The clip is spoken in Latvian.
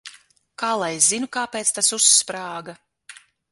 Kā lai es zinu, kāpēc tas uzsprāga?